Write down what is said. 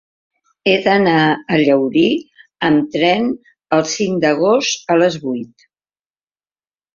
He d'anar a Llaurí amb tren el cinc d'agost a les vuit.